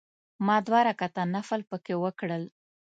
ما دوه رکعته نفل په کې وکړل.